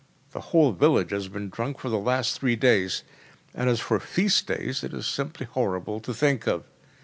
The whole village has been drunk for the last three days. And as for feast days, it is simply horrible to think of!